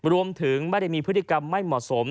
ไม่ได้มีพฤติกรรมไม่เหมาะสม